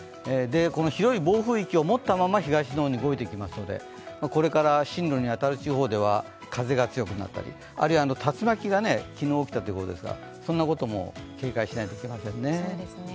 この広い暴風域を持ったまま東の方に動いてきますので、これから進路に当たる地方では風が強くなったり、あるいは竜巻が昨日起きたということですからそんなことも警戒しないといけないですね。